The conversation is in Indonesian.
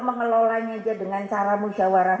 mengelolanya aja dengan cara musyawarah